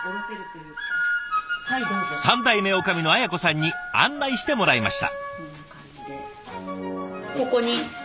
３代目女将の綾子さんに案内してもらいました。